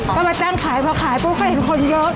ก็มาตั้งขายพอขายปุ๊บก็เห็นคนเยอะ